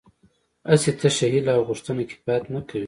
هسې تشه هیله او غوښتنه کفایت نه کوي